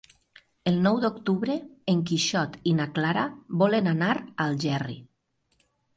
El nou d'octubre en Quixot i na Clara volen anar a Algerri.